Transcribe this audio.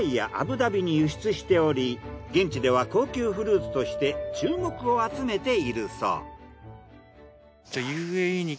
現地では高級フルーツとして注目を集めているそう。